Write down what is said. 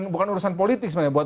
bukan urusan politik sebenarnya